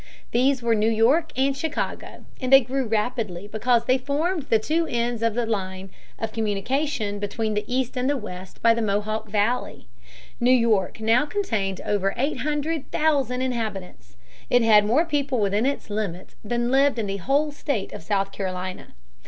These were New York and Chicago; and they grew rapidly because they formed the two ends of the line of communication between the East and the West by the Mohawk Valley (p. 239). New York now contained over eight hundred thousand inhabitants. It had more people within its limits than lived in the whole state of South Carolina.